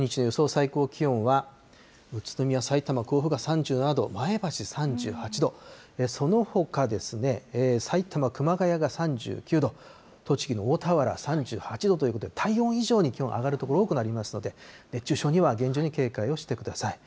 最高気温は、宇都宮、さいたま、甲府が３７度、前橋３８度、そのほか埼玉・熊谷が３９度、栃木の大田原３８度ということで、体温以上に気温が上がる所多くなりますので、熱中症には厳重に警戒をしてください。